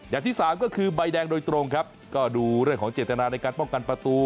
อย่างที่สามก็คือใบแดงโดยตรงครับก็ดูเรื่องของเจตนาในการป้องกันประตู